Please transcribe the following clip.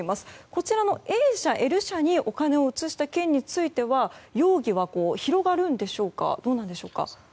こちらのＡ社、Ｌ社にお金を移した件については容疑は広がるんでしょうかどうなんでしょうか。